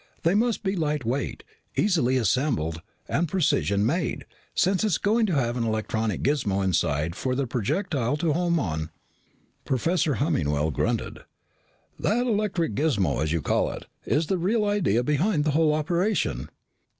They must be lightweight, easily assembled, and precision made, since it's going to have an electronic gismo inside for the projectile to 'home' on." Professor Hemmingwell grunted. "That electronic gismo, as you call it, is the real idea behind the whole operation."